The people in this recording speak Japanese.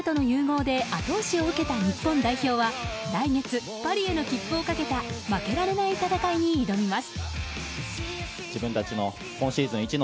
人気アニメとの融合で後押しを受けた日本代表は来月パリへの切符をかけた負けられない戦いに挑みます。